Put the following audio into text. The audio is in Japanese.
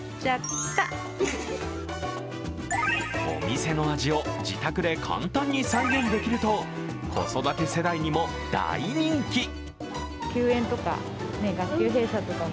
お店の味を自宅で簡単に再現できると、子育て世代にも大人気。